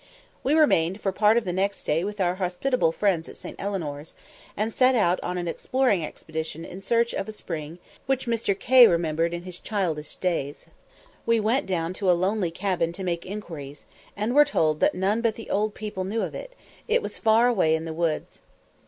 We remained for part of the next day with our hospitable friends at St. Eleanor's, and set out on an exploring expedition in search of a spring which Mr. K. remembered in his childish days. We went down to a lonely cabin to make inquiries, and were told that "none but the old people knew of it it was far away in the woods."